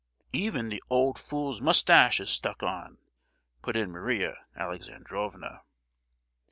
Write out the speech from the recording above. "Even the old fool's moustache is stuck on!" put in Maria Alexandrovna.